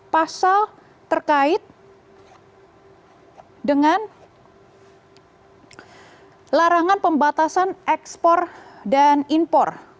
pasal terkait dengan larangan pembatasan ekspor dan impor